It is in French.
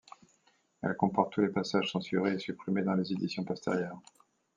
Elle comporte tous les passages censurés et supprimées dans les éditions postérieures.